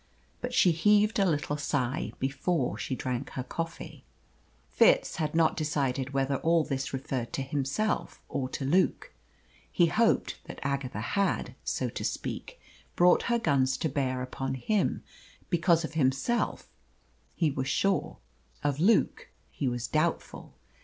But she heaved a little sigh before she drank her coffee. Fitz had not decided whether all this referred to himself or to Luke. He hoped that Agatha had, so to speak, brought her guns to bear upon him, because of himself he was sure, of Luke he was doubtful.